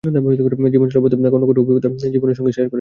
জীবন চলার পথে, খণ্ড খণ্ড অভিজ্ঞতাও বাবা আমার সঙ্গে শেয়ার করেছেন।